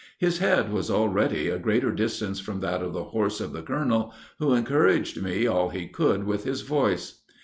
His head was already a greater distance from that of the horse of the colonel, who encouraged me all he could with his voice.